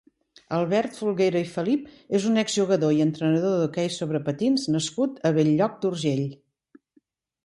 Albert Folguera i Felip és un exjugador i entrenador d'hoquei sobre patins nascut a Bell-lloc d'Urgell.